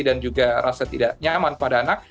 dan juga rasa tidak nyaman pada anak